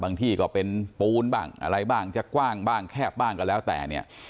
ที่ก็เป็นปูนบ้างอะไรบ้างจะกว้างบ้างแคบบ้างก็แล้วแต่เนี่ย